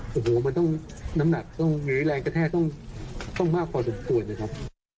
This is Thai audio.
โอ้โหมันต้องน้ำหนักต้องหรือแรงกระแทกต้องมากพอสมควรนะครับ